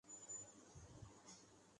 کرنے کو بہت کچھ ہے۔